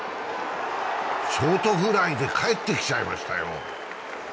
ショートフライで帰ってきちゃいましたよ。